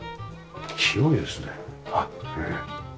広いですね。